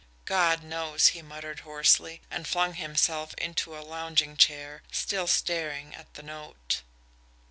"God knows!" he muttered hoarsely, and flung himself into a lounging chair, still staring at the note.